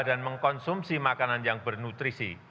dan mengkonsumsi makanan yang bernutrisi